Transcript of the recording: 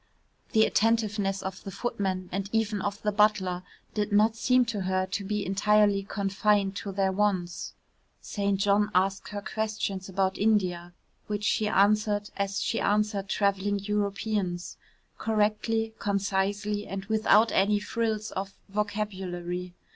The attentiveness of the footman and even of the butler did not seem to her to be entirely confined to their wants. St. John asked her questions about India, which she answered as she answered travelling Europeans correctly, concisely, and without any frills of vocabulary.